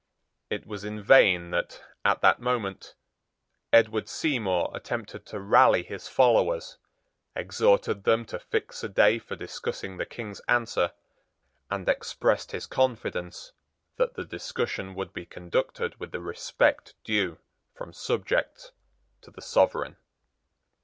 It was in vain that, at that moment, Edward Seymour attempted to rally his followers, exhorted them to fix a day for discussing the King's answer, and expressed his confidence that the discussion would be conducted with the respect due from subjects to the sovereign.